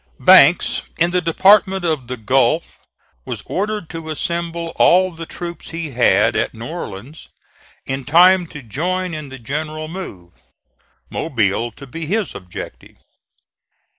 Banks in the Department of the Gulf was ordered to assemble all the troops he had at New Orleans in time to join in the general move, Mobile to be his objective.